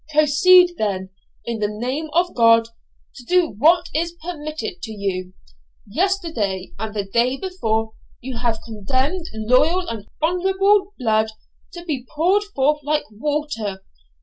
Proceed, then, in the name of God, to do what is permitted to you. Yesterday and the day before you have condemned loyal and honourable blood to be poured forth like water.